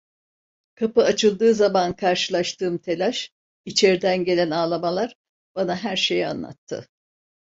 Kapı açıldığı zaman karşılaştığım telaş, içeriden gelen ağlamalar, bana her şeyi anlattı.